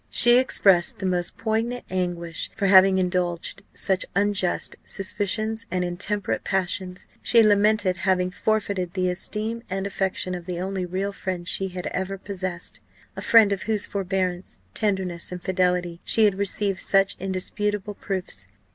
She expressed the most poignant anguish for having indulged such unjust suspicions and intemperate passions. She lamented having forfeited the esteem and affection of the only real friend she had ever possessed a friend of whose forbearance, tenderness, and fidelity, she had received such indisputable proofs.